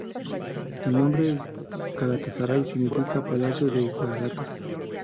El nombre Galatasaray significa "palacio de Gálata".